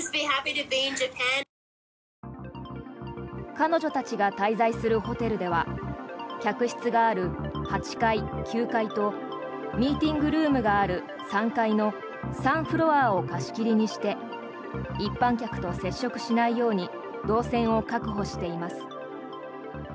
彼女たちが滞在するホテルでは客室がある８階、９階とミーティングルームがある３階の３フロアを貸し切りにして一般客と接触しないように動線を確保しています。